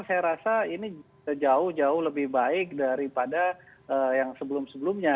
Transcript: saya rasa ini jauh jauh lebih baik daripada yang sebelum sebelumnya